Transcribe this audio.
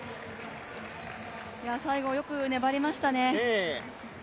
最後よく粘りましたね。